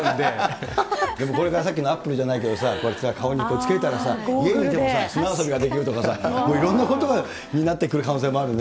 でもこれからさっきのアップルじゃないけど、顔に着けたらさ、砂遊びができるとか、いろんなことになってくる可能性もあるね。